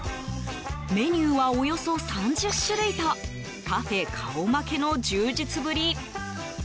メニューはおよそ３０種類とカフェ顔負けの充実ぶり。